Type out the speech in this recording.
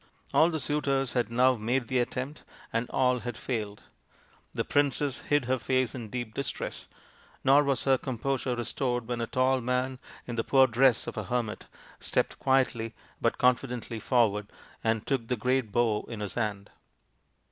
All the suitors had now made the attempt, and all had failed. The princess hid her face in deep distress, nor was her composure restored when a tall man in the poor dress of a hermit stepped quietly but confidently forward and took the great bow in his hand.